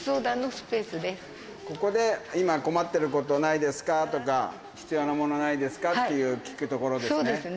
ここで今、困ってることないですかとか、必要なものないですかとか、聞く所ですね？